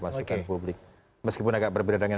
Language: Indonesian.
masukan publik meskipun agak berbeda dengan